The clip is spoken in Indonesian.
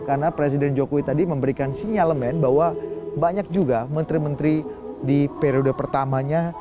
karena presiden jokowi tadi memberikan sinyalemen bahwa banyak juga menteri menteri di periode pertamanya